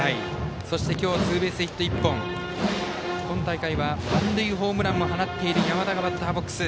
そして、今日ツーベースヒット１本今大会は満塁ホームランも放っている山田がバッターボックス。